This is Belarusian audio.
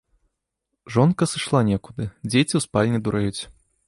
Жонка сышла некуды, дзеці ў спальні дурэюць.